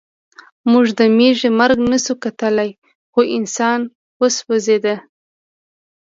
موږ د مېږي مرګ نشو کتلی خو انسان وسوځېد